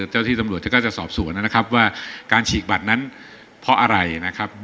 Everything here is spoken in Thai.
เจ้าที่ตำรวจจะสอบสวนนะครับว่าการฉีกบัตรนั้นเพราะอะไรนะครับ